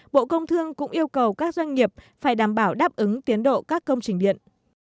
bộ công thương cũng yêu cầu các doanh nghiệp phải đảm bảo đáp ứng tiến độ các công trình điện